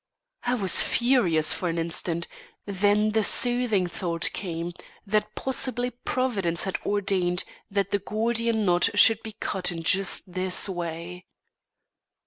I was furious for an instant, then the soothing thought came that possibly Providence had ordained that the Gordian knot should be cut in just this way.